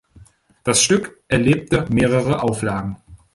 Das Stück erlebte mehrere Auflagen.